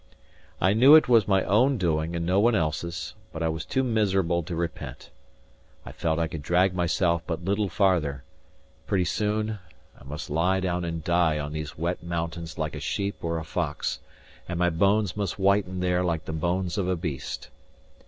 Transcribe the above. I knew it was my own doing, and no one else's; but I was too miserable to repent. I felt I could drag myself but little farther; pretty soon, I must lie down and die on these wet mountains like a sheep or a fox, and my bones must whiten there like the bones of a beast.